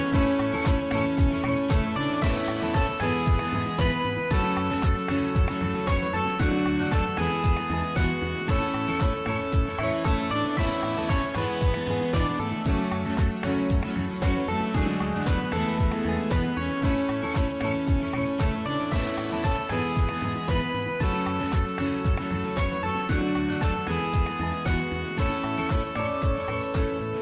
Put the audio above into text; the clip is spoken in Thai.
สวัสดีครับ